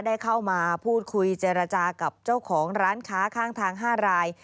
ได้เข้ามาพูดคุยเจรจากับเจ้าของร้านค้าข้างทาง๕ราย